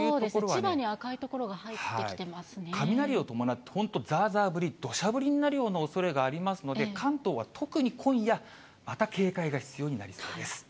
千葉に赤い所が入ってきてま雷を伴って、本当ざーざー降り、どしゃ降りになるようなおそれがありますので、関東は特に今夜、また警戒が必要になりそうです。